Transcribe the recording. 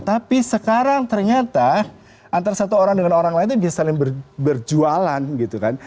tapi sekarang ternyata antara satu orang dengan orang lain itu bisa saling berjualan gitu kan